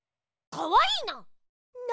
かわいいな。